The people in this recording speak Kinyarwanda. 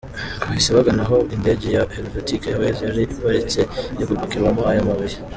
Ngo bahise bagana aho indege ya Helvetic Airways yari iparitse iri gupakirwamo ayo mabuye.